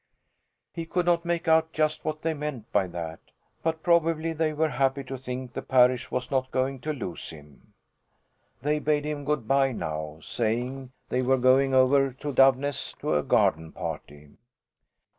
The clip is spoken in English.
He could not make out just what they meant by that; but probably they were happy to think the parish was not going to lose him. They bade him good bye now, saying they were going over to Doveness to a garden party.